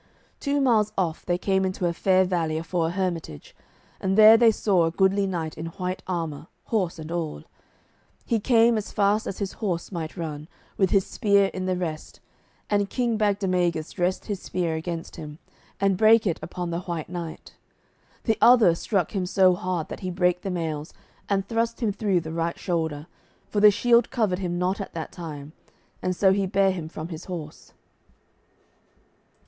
Two miles off they came into a fair valley afore a hermitage, and there they saw a goodly knight in white armour, horse and all. He came as fast as his horse might run, with his spear in the rest, and King Bagdemagus dressed his spear against him, and brake it upon the White Knight. The other struck him so hard that he brake the mails, and thrust him through the right shoulder, for the shield covered him not at that time, and so he bare him from his horse.